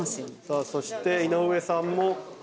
さあそして井上さんも小松菜。